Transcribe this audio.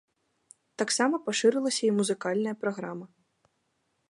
Таксама пашырылася і музыкальная праграма.